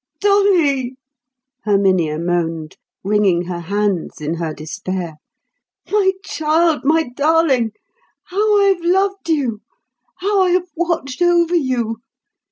"Dolly," Herminia moaned, wringing her hands in her despair, "my child, my darling, how I have loved you! how I have watched over you!